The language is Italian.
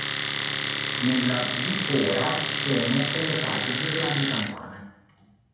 Nella bifora sono collocate due grandi campane.